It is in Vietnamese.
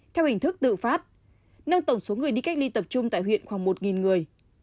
theo hình thức tự phát nâng tổng số người đi cách ly tập trung tại huyện khoảng một người